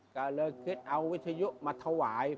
ก็เลยคิดเอาวิทยุมาถวาย